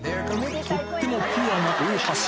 とってもピュアな大橋。